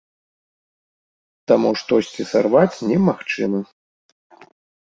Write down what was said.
Таму штосьці сарваць немагчыма.